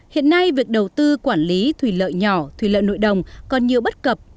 hiện nay việc đầu tư quản lý thủy lợi nhỏ thủy lợi nội đồng còn nhiều bất cập